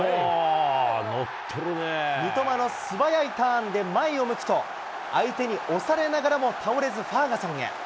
三笘の素早いターンで前を向くと、相手に押されながらも倒れずファーガソンへ。